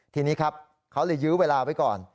ทีนี้ครับเขาเลยยื้อเวลาไว้ก่อน